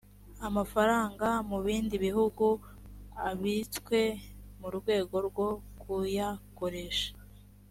amafaranga mu bindi bihugu abitswe mu rwego rwo kuyakoresha